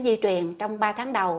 di truyền trong ba tháng đầu